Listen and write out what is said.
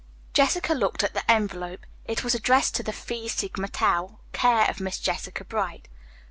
Jessica looked at the envelope. It was addressed to the "Phi Sigma Tau, care of Miss Jessica Bright."